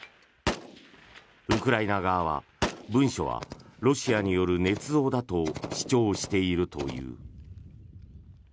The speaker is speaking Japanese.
ウクライナ側は文書はロシアによるねつ造だと主張しているという。